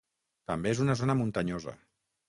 També és una zona muntanyosa.